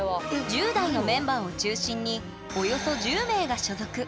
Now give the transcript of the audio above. １０代のメンバーを中心におよそ１０名が所属。